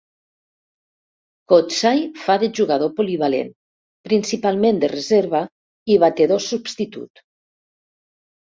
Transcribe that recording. Kotsay fa de jugador polivalent, principalment de reserva i batedor substitut.